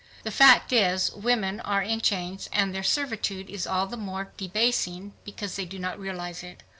. The fact is, women are in chains, and their servitude is all the more debasing because they do not realize it.